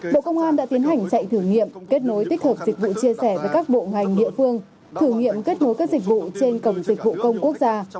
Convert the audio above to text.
bộ công an đã tiến hành chạy thử nghiệm kết nối tích hợp dịch vụ chia sẻ với các bộ ngành địa phương thử nghiệm kết nối các dịch vụ trên cổng dịch vụ công quốc gia